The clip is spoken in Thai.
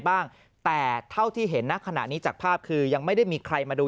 บ้างแต่เท่าที่เห็นณขณะนี้จากภาพคือยังไม่ได้มีใครมาดู